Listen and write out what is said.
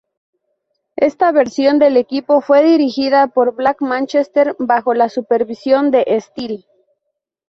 Esta versión del equipo fue dirigida por Black Manchester, bajo la supervisión de Steel.